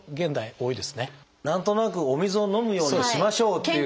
何となくお水を飲むようにしましょうっていうね。